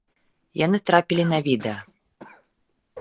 Яны трапілі на відэа.